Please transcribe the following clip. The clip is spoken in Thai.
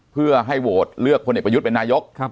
เพื่อให้โหวตเลือกพลเอกประยุทธ์เป็นนายก